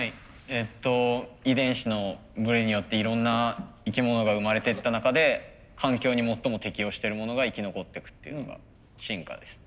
えっと遺伝子のブレによっていろんな生き物が生まれてった中で環境に最も適応してるものが生き残ってくっていうのが進化です。